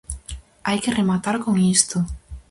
Hai que rematar con isto!